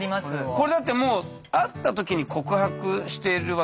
これだってもう会った時に告白してるわけじゃないですか。